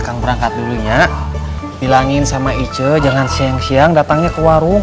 kang berangkat dulunya bilangin sama ice jangan siang siang datangnya ke warung